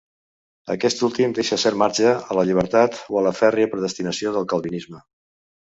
Aquest últim deixa cert marge a la llibertat o a la fèrria predestinació del calvinisme.